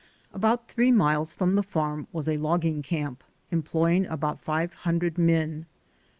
About three miles from the farm was a logging camp employing about five hundred men.